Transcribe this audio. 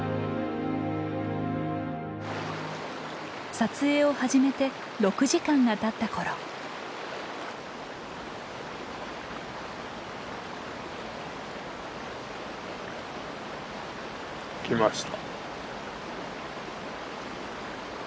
撮影を始めて６時間がたったころ。来ました。